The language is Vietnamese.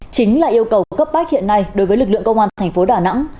chính là yêu cầu cấp bách hiện nay đối với lực lượng công an thành phố đà nẵng